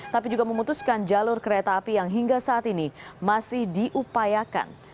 tapi juga memutuskan jalur kereta api yang hingga saat ini masih diupayakan